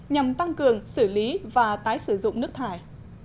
nhằm tăng cường xử lý và tái sử dụng nước thải